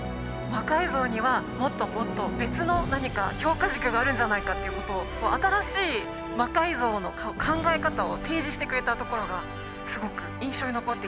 魔改造にはもっともっと別の何か評価軸があるんじゃないかっていうことを新しい魔改造の考え方を提示してくれたところがすごく印象に残っていたので。